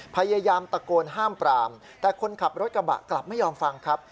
พยายามตะโกนห้ามปรามแต่คนขับรถกระบะกลับไม่ยอมฟังครับ